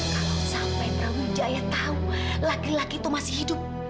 kalau sampai brawijaya tahu laki laki itu masih hidup